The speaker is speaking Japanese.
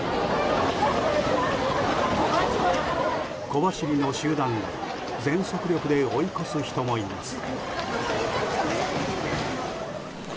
小走りの集団を全速力で追い越す人もいます。